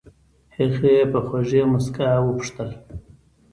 هغې په خوږې موسکا وپوښتل.